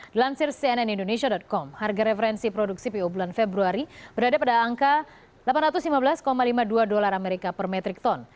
dilansir cnn indonesia com harga referensi produk cpo bulan februari berada pada angka delapan ratus lima belas lima puluh dua dolar amerika per metrik ton